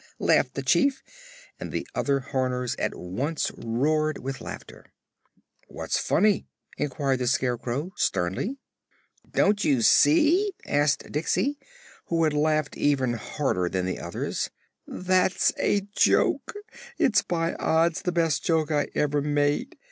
laughed the Chief, and the other Horners at once roared with laughter. "What's funny?" inquired the Scarecrow sternly. "Don't you see?" asked Diksey, who had laughed even harder than the others. "That's a joke. It's by odds the best joke I ever made.